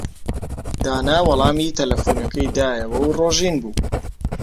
دانا وەڵامی تەلەفۆنەکەی دایەوە و ڕۆژین بوو.